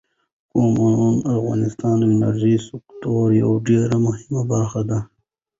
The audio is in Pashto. قومونه د افغانستان د انرژۍ سکتور یوه ډېره مهمه برخه ده.